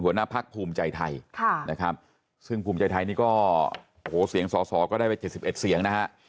หัวหน้าภักดิ์ภูมิใจไทยซึ่งภูมิใจไทยนี่ก็เสียงซอก็ได้ไป๗๑เสียง